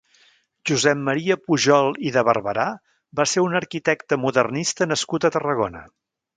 Josep Maria Pujol i de Barberà va ser un arquitecte modernista nascut a Tarragona.